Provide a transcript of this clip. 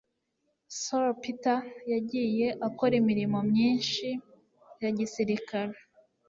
Sir Peter yagiye akora imirimo myinshi ya gisirikare